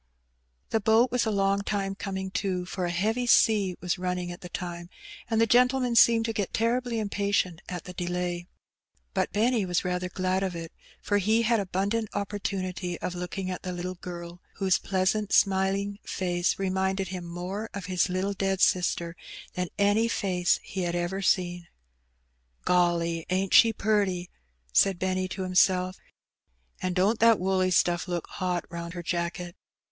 The boat was a long time coming to^ for a heavy sea was running at the time^ and the gentleman seemed to get terribly impatient at the delay. But Benny was rather. glad of it, for he had abundant opportunity of looking, at, the little girl, whose pleasant, smiling face reminded him more of his little dead sister than any face he had ever. seen.. '^ Golly, ain't she purty!" said Benny to himself ;•'' and don*t that woolly stuff look hot round her jafcket!